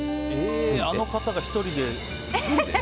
あの方が１人で？